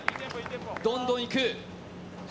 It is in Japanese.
どんどんいく。